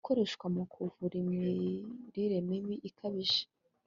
ikoreshwa mu kuvura imirire mibi ikabije